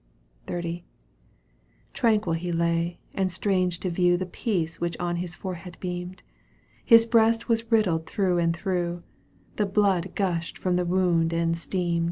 XXX. ^ Tranquil he lay, and strange to view The peace which on his forehead beamed, \ His breast was riddled through and through, ' The blood gushed from the wound and steamed.